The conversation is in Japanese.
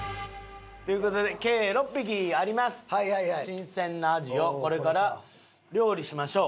新鮮なアジをこれから料理しましょう。